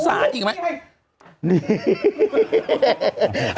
ศึกษาจริงหรือไม่